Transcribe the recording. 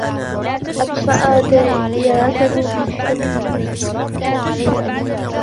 وَأَطْفَأَ ثَائِرَتَهُ بِحِلْمِهِ